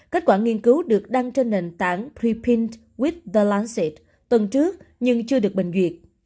kết quả nghiên cứu được đăng trên nền tảng prepint with the lancet tuần trước nhưng chưa được bình duyệt